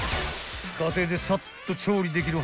［家庭でサッと調理できる］